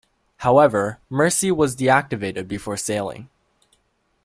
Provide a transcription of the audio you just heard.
However, "Mercy" was deactivated before sailing.